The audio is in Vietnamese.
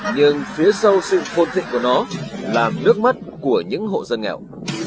nhưng phía sâu sinh phôn thịnh của nó là nước mắt của những hộ dân nghèo